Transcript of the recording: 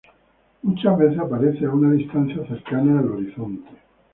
Muchas veces aparece a una distancia cercana al horizonte.